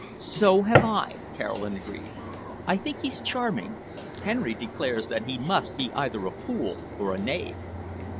"So have I," Caroline agreed. "I think he's charming. Henry declares that he must be either a fool or a knave."